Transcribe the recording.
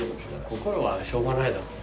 心はしょうがないだろ。